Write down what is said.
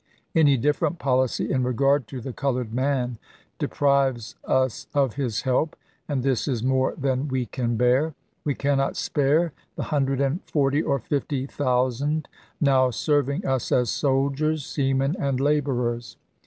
Any different policy in regard to the colored, man deprives us of his help, and this is more than we can bear. We cannot spare the hundred and forty or fifty thousand now serving us as soldiers, sea men, and laborers.